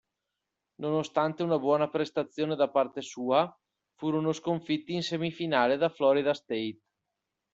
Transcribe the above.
Nonostante una buona prestazione da parte sua, furono sconfitti in semifinale da Florida State.